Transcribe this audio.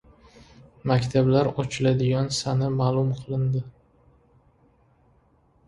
Maktablar ochiladigan sana ma’lum qilindi